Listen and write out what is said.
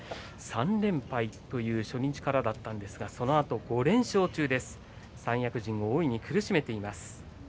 ３連敗という初日からだったんですがそのあと５連勝中三役陣を大いに苦しめています。